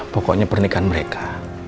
pokoknya pernikahan mereka